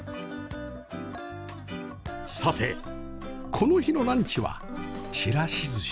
さてこの日のランチはちらし寿司